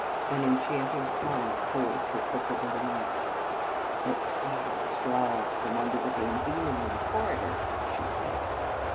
An enchanting smile curved her crooked little mouth. " Let s steal the straws from under the Bambino in the cor ridor," she said.